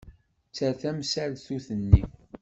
Tter tamsaltut-nni.